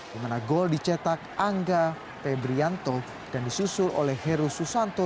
di mana gol dicetak angga pebrianto dan disusul oleh heru susanto